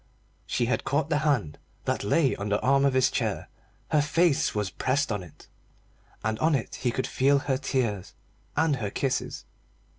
She had caught the hand that lay on the arm of his chair, her face was pressed on it, and on it he could feel her tears and her kisses.